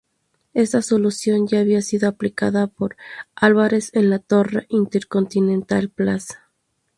Esta solución ya había sido aplicada por Álvarez en la torre Intercontinental Plaza.